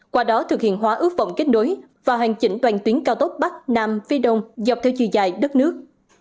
qua đó thực hiện hóa ước vọng kết nối và hoàn chỉnh toàn tuyến cao tốc bắc nam phía đông dọc theo chiều dài đất nước